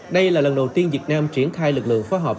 đây là lần đầu tiên việt nam triển khai lực lượng phó hợp